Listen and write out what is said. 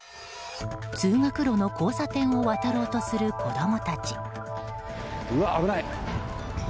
通学路の交差点を渡ろうとする子供たち。